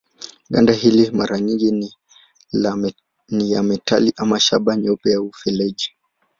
Ganda hili mara nyingi ni ya metali ama shaba nyeupe au feleji.